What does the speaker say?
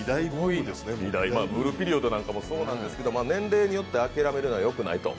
「ブルーピリオド」なんかもそうなんですけど、年齢によって諦めるのはよくないと。